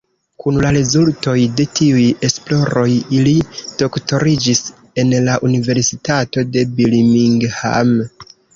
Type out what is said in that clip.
Kun la rezultoj de tiuj esploroj li doktoriĝis en la universitato de Birmingham.